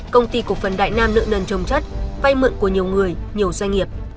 công ty cổ phần đại nam nợ nần trồng chất vay mượn của nhiều người nhiều doanh nghiệp